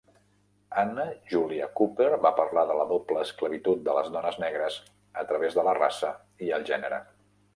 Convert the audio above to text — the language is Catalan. Anna Julia Cooper va parlar de la doble esclavitud de les dones negres a través de la raça i el gènere.